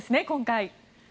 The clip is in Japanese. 今回。